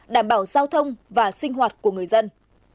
đảm bảo giao thông và sinh hoạt của người dân